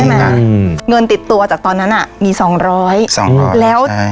อืมเงินติดตัวจากตอนนั้นอ่ะมีสองร้อยสองร้อยแล้ว